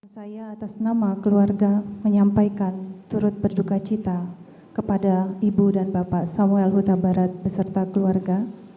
saya atas nama keluarga menyampaikan turut berduka cita kepada ibu dan bapak samuel huta barat beserta keluarga